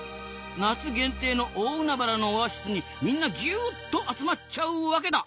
夏限定の大海原のオアシスにみんなギュッと集まっちゃうわけだ！